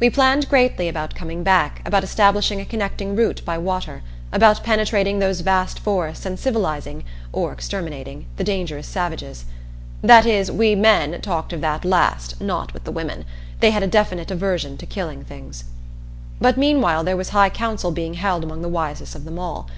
We planned greatly about coming back, about establishing a connecting route by water; about penetrating those vast forests and civilizing or exterminating the dangerous savages. That is, we men talked of that last not with the women. They had a definite aversion to killing things. But meanwhile there was high council being held among the wisest of them all.